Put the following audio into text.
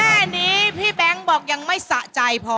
แค่นี้พี่แบงค์บอกยังไม่สะใจพอ